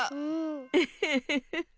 ウフフフフ。